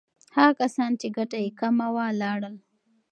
هغه کسان چې ګټه یې کمه وه، لاړل.